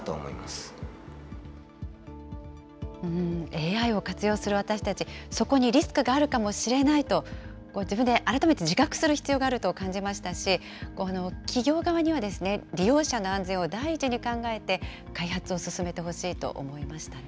ＡＩを活用する私たち、そこにリスクがあるかもしれないと、自分で改めて自覚する必要があると感じましたし、企業側には利用者の安全を第一に考えて、開発を進めてほしいと思いましたね。